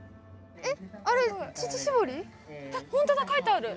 えっ！